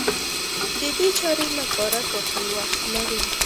د دې چارې لپاره کافي وخت لري.